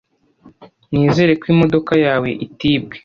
Nizere ko imodoka yawe itibwe.